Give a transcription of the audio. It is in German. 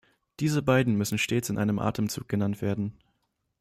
Diese beiden müssen stets in einem Atemzug genannt werden.